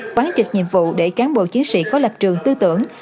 quán trực nhiệm vụ để cán bộ chiến sĩ có lập trường tư tưởng